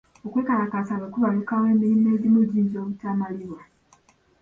Okwekalakaasa bwe kubalukawo, emirimu egimu giyinza obutamalibwa.